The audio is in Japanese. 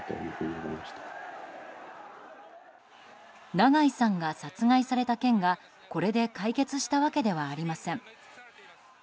長井さんが殺害された件がこれで解決したわけではありません。